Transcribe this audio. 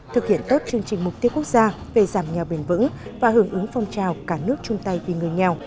thực hiện tốt chương trình mục tiêu quốc gia về giảm nghèo bền vững và hưởng ứng phong trào cả nước chung tay vì người nghèo